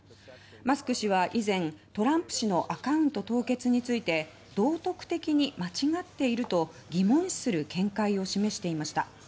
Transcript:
マスク氏は以前トランプ氏のアカウント凍結について道徳的に間違っていると疑問視する見解を示していました。